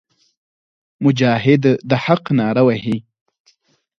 مجاهد د حق ناره وهي.